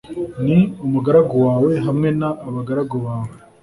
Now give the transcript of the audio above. n umugaragu wawe hamwe n abagaragu bawe